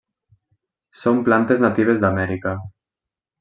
Són plantes natives d’Amèrica.